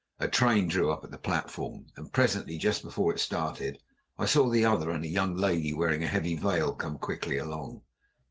A train drew up at the platform, and presently, just before it started, I saw the other and a young lady wearing a heavy veil come quickly along.